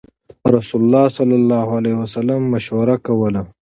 رسول الله صلی الله عليه وسلم مشوره کوله.